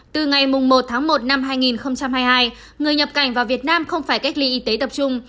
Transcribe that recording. từ ngày một tháng một năm hai nghìn hai mươi hai người nhập cảnh vào việt nam không phải cách ly y tế tập trung